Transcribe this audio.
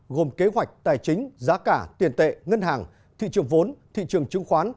gồm kế hoạch tài chính giá cả tiền tệ ngân hàng thị trường vốn thị trường chứng khoán